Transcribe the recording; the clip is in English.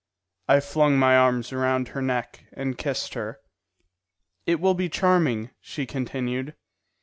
I flung my arms around her neck and kissed her. "It will be charming," she continued.